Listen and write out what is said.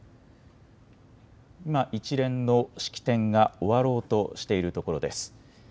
今、一連の式典が終わろうとしているところです。